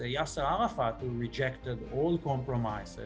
yasser arafat menolakkan semua kompromisi